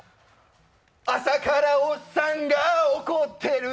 朝からおっさんが怒ってる。